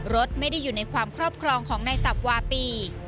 รถไม่ได้อยู่ในความครอบครองของนายสับวาปี